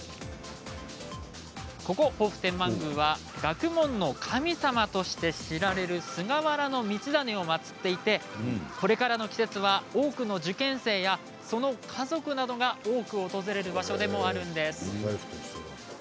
ここ防府天満宮は学問の神様として知られる菅原道真を祭っていてこれからの季節は多くの受験生やその家族などが多く訪れる場所でもあるんです。